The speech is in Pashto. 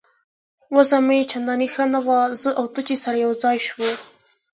وضع مې چندانې ښه نه وه، زه او ته چې سره یو ځای شوو.